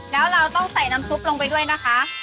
แล้วเราต้องใส่น้ำซุปลงไปด้วยนะคะ